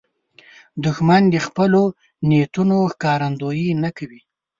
دښمن د خپلو نیتونو ښکارندویي نه کوي